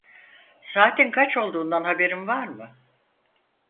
Saatin kaç olduğundan haberin var mı?